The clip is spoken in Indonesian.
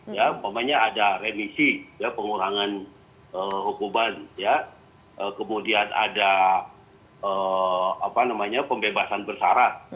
maksudnya ada remisi pengurangan hukuman kemudian ada pembebasan bersara